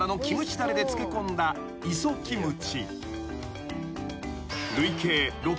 だれで漬け込んだ磯キムチ］